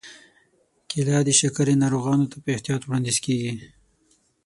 کېله د شکرې ناروغانو ته په احتیاط وړاندیز کېږي.